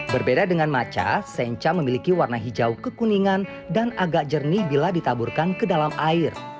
berbeda dengan macha sencha memiliki warna hijau kekuningan dan agak jernih bila ditaburkan ke dalam air